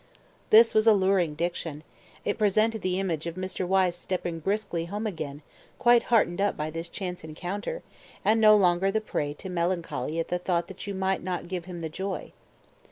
This was alluring diction: it presented the image of Mr. Wyse stepping briskly home again, quite heartened up by this chance encounter, and no longer the prey to melancholy at the thought that you might not give him the joy.